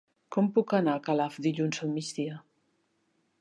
Com puc anar a Calaf dilluns al migdia?